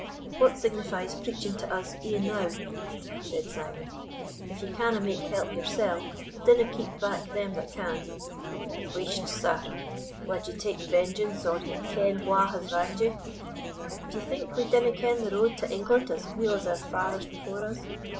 "What signifies preaching to us, e'enow?" said Simon; "if ye canna make help yoursell, dinna keep back them that can." "Whisht, sir; wad ye take vengeance or ye ken wha has wrang'd ye?" "D'ye think we dinna ken the road to England as weel as our fathers before us?